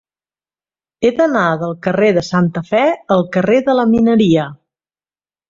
He d'anar del carrer de Santa Fe al carrer de la Mineria.